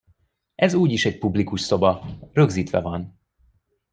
Ez úgyis egy publikus szoba, rögzítve van.